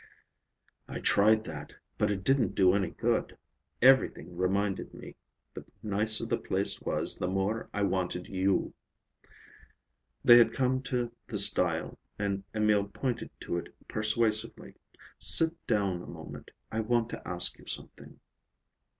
"I tried that, but it didn't do any good. Everything reminded me. The nicer the place was, the more I wanted you." They had come to the stile and Emil pointed to it persuasively. "Sit down a moment, I want to ask you something."